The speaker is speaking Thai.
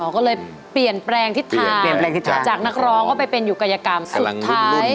ก็เลยเปลี่ยนแปลงทิศทางจากนักร้องก็ไปเป็นอยู่กายกรรมสุดท้าย